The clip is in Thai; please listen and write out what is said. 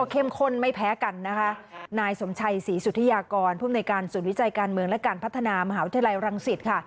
ข้นไม่แพ้กันนะคะนายสมชัยศรีสุธิยากรผู้มนุยการศูนย์วิจัยการเมืองและการพัฒนามหาวิทยาลัยรังสิตค่ะ